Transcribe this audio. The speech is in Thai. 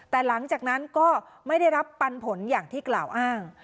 แต่หลังจากนั้นก็ไม่ได้รับปันผลอย่างที่กล่าวอ้าง